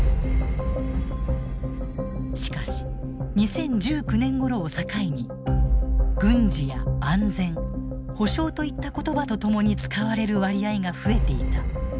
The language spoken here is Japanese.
しかし２０１９年ごろを境に「軍事」や「安全」「保障」といった言葉と共に使われる割合が増えていた。